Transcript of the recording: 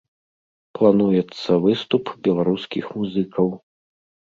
Плануецца выступ беларускіх музыкаў.